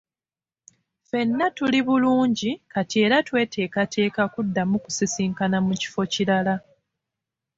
Ffenna tuli bulungi kati era tweteekateeka kuddamu kusisinkana mu kifo kirala.